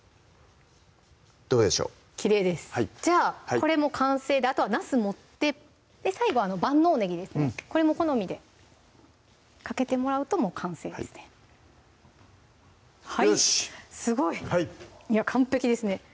これも完成であとはなす盛って最後万能ねぎですねこれも好みでかけてもらうともう完成ですねはいよしっすごいいや完璧ですね